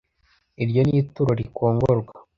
Iryo ni ituro rikongorwa.